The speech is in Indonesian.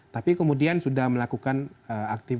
tapi kemudian sudah melakukan aktivitas